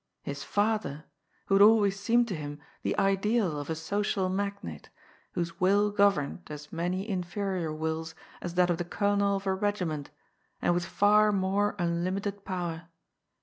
His father ! who had always seemed to him the ideal of a social magnate, whose will governed as many in ferior wills as that of the colonel of a regiment, and with far more unlimited power.